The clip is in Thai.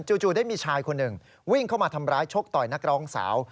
จู่ได้มีชายคนหนึ่งวิ่งเข้ามาทำร้ายชกต่อยนักร้องสาว